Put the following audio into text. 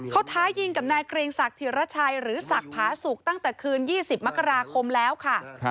เขาท้ายิงกับนายเกรงศักดิ์ธิรชัยหรือศักดิ์ผาสุกตั้งแต่คืน๒๐มกราคมแล้วค่ะ